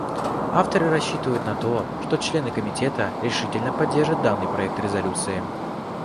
Авторы рассчитывают на то, что члены Комитета решительно поддержат данный проект резолюции.